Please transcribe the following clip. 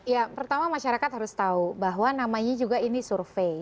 ya pertama masyarakat harus tahu bahwa namanya juga ini survei